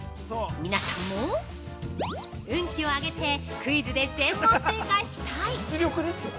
皆さんも、運気を上げてクイズで全問正解したい！